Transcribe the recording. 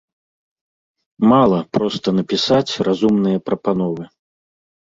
Мала проста напісаць разумныя прапановы.